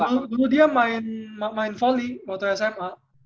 dulu dia main volley waktu sma